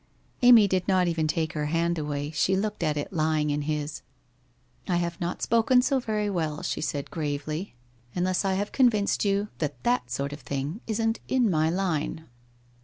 ... Amy did not even take her hand away, she looked at it lying in his. * I have not spoken so very well/ she said gravely, ' unless 120 WHITE HOSE OF WEARY LEAF I have convinced you that that sort of thing isn't in my line.'